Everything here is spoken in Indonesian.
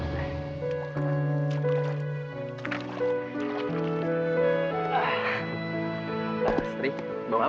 makan dulu udah siang mas